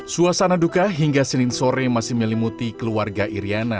suasana duka hingga senin sore masih melimuti keluarga iryana